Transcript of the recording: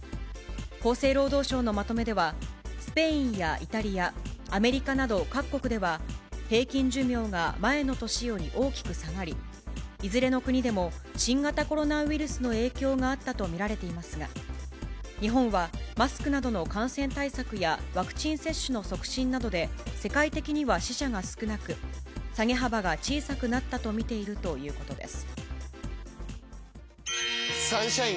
厚生労働省のまとめでは、スペインやイタリア、アメリカなど、各国では平均寿命が前の年より大きく下がり、いずれの国でも新型コロナウイルスの影響があったと見られていますが、日本はマスクなどの感染対策や、ワクチン接種の促進などで、世界的には死者が少なく、下げ幅が小さくなったと見ているということです。